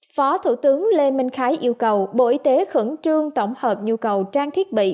phó thủ tướng lê minh khái yêu cầu bộ y tế khẩn trương tổng hợp nhu cầu trang thiết bị